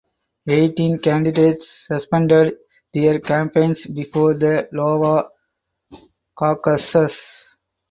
Eighteen candidates suspended their campaigns before the Iowa caucuses.